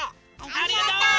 ありがとう！